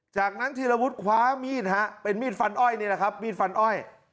จากนั้นธีรวุฒิคว้ามีดฮะเป็นมีดฟันอ้อยนี่แหละครับมีดฟันอ้อย